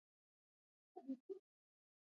په افغانستان کې د غزني لپاره طبیعي شرایط مناسب دي.